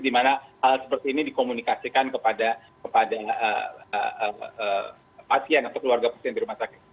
di mana hal seperti ini dikomunikasikan kepada pasien atau keluarga pasien di rumah sakit